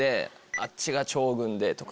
あっちが趙軍でとか。